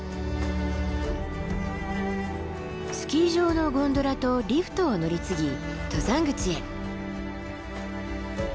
スキー場のゴンドラとリフトを乗り継ぎ登山口へ。